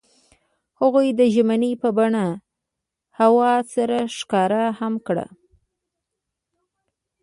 هغوی د ژمنې په بڼه هوا سره ښکاره هم کړه.